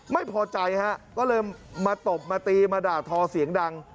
ไม่พอใจฮะก็เลยมาตบมาตีมาด่าทอเสียงดัง